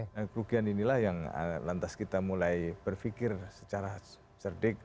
dan kerugian inilah yang lantas kita mulai berpikir secara cerdik